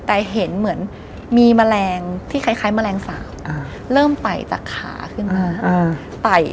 แต่เห็นเหมือนมีแมลงที่คล้ายแมลงสาวเริ่มไต่จากขาขึ้นมาไต่